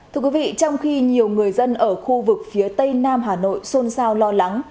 thưa quý vị trong khi nhiều người dân ở khu vực phía tây nam hà nội xôn xao lo lắng